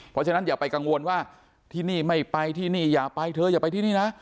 เพราะฉะนั้นอย่าไปกังวลว่าที่นี่ไม่ไปที่นี่อย่าไปเธออย่าไปที่นี่นะ